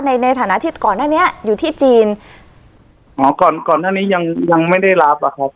ในฐานะที่ก่อนหน้านี้อยู่ที่จีนอ๋อก่อนก่อนหน้านี้ยังยังไม่ได้รับอ่ะครับ